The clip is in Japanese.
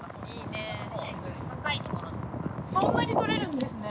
そんなに取れるんですね。